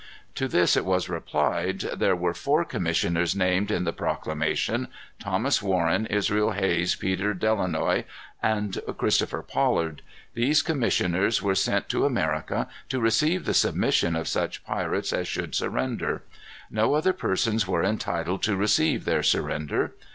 To this it was replied, "There were four commissioners named in the proclamation, Thomas Warren, Israel Hayes, Peter Delanoye, and Christopher Pollard. These commissioners were sent to America to receive the submission of such pirates as should surrender. No other persons were entitled, to receive their surrender.